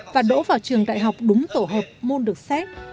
và đỗ vào trường đại học đúng tổ hợp môn được xét